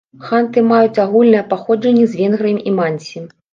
Ханты маюць агульнае паходжанне з венграмі і мансі.